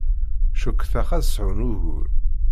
Cukkteɣ ad sɛun ugur.